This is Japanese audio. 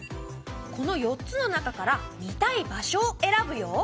この４つの中から見たい場所を選ぶよ！